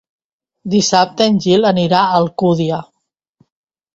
Dissabte en Gil anirà a Alcúdia.